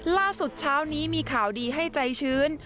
เช้านี้มีข่าวดีให้ใจชื้น